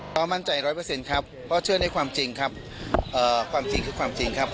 มั่นใจร้อยเปอร์เซ็นต์ครับเพราะเชื่อในความจริงครับความจริงคือความจริงครับ